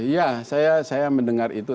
ya saya mendengar itu